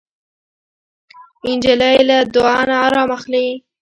نجلۍ له دعا نه ارام اخلي.